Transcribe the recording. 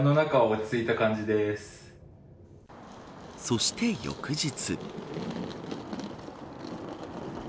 そして翌日。